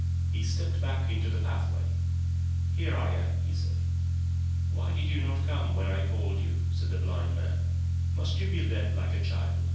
He stepped back into the pathway. "Here I am," he said. "Why did you not come when I called you?" said the blind man. "Must you be led like a child?